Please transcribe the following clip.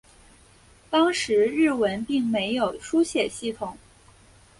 当时日文并没有书写系统。